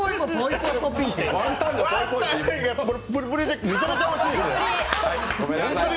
プリプリでめちゃめちゃおいしい。